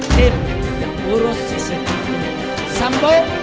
tim yang urus cctv sampo